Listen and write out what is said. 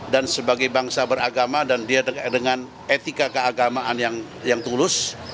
dan sebagai bangsa beragama dan dia dengan etika keagamaan yang tulus